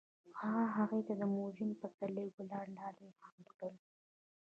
هغه هغې ته د موزون پسرلی ګلان ډالۍ هم کړل.